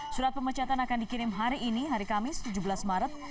surat pemecatan akan dikirim hari ini hari kamis tujuh belas maret